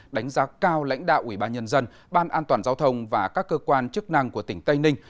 đánh giá cao lãnh đạo ủy ban nhân dân ban an toàn giao thông và các cơ quan chức năng của tỉnh tây ninh